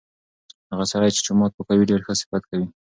هغه سړی چې جومات پاکوي ډیر ښه صفت لري.